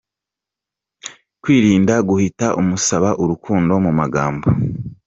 Kwirinda guhita umusaba urukundo mu magambo.